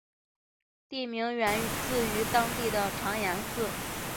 地名源自于当地的长延寺。